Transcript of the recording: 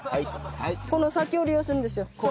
この先を利用するんですよ。